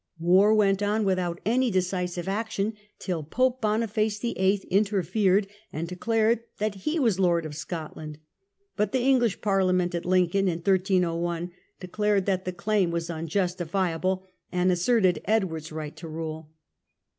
War went on without any decisive action, till Pope Boniface VIII. interfered, and declared that he was lord of Scotland; but the English Parliament at Lincoln, in 1301, declared that the claim was unjustifi able, and asserted Edward's right to rule.